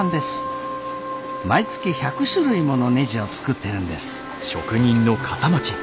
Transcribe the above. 毎月１００種類ものねじを作ってるんです。